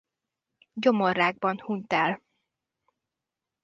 Gyomorrákban hunyt el.